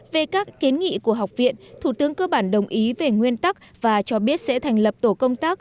về các kiến nghị của học viện thủ tướng cơ bản đồng ý về nguyên tắc và cho biết sẽ thành lập tổ công tác